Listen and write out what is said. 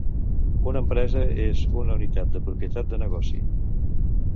Una empresa és una unitat de propietat de negoci.